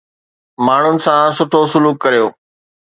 ماڻهن سان سٺو سلوڪ ڪريو